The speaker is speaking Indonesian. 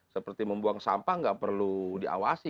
seperti membuang sampah nggak perlu diawasi